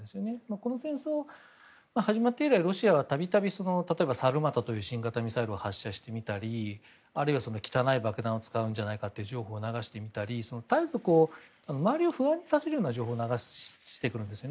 この戦争始まって以来ロシアは度々例えば、新型ミサイルを発射してみたりあるいは、汚い爆弾を使うんじゃないかという情報を流してみたり絶えず周りを不安にさせるような情報を流していくと思うんですね。